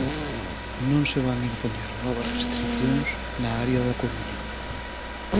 Non se van impoñer novas restricións na área da Coruña.